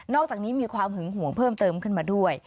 อกจากนี้มีความหึงห่วงเพิ่มเติมขึ้นมาด้วย